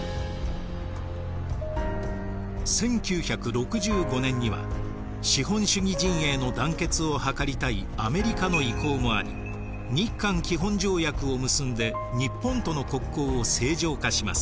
１９６５年には資本主義陣営の団結を図りたいアメリカの意向もあり日韓基本条約を結んで日本との国交を正常化します。